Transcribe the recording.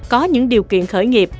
có những điều kiện khởi nghiệp